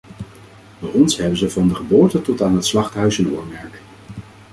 Bij ons hebben ze van de geboorte tot aan het slachthuis een oormerk.